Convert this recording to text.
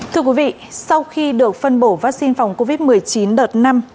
thưa quý vị sau khi được phân bổ vaccine phòng covid một mươi chín đợt năm